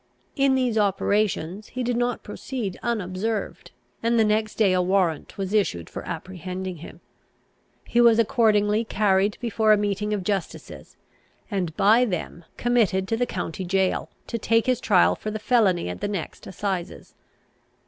In these operations he did not proceed unobserved, and the next day a warrant was issued for apprehending him. He was accordingly carried before a meeting of justices, and by them committed to the county gaol, to take his trial for the felony at the next assizes.